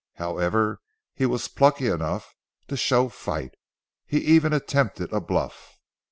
However he was plucky enough to show fight. He even attempted bluff.